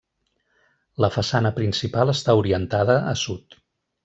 La façana principal està orientada a sud.